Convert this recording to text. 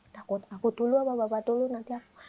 takut aku dulu apa bapak dulu nanti aku